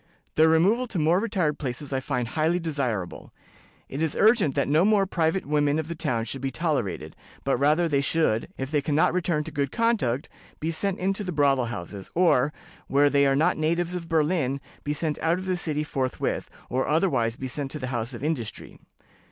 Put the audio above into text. Their removal to more retired places I find highly desirable. It is urgent that no more private women of the town should be tolerated, but rather that they should, if they can not return to good conduct, be sent into the brothel houses, or, where they are not natives of Berlin, be sent out of the city forthwith, or otherwise be sent to the House of Industry.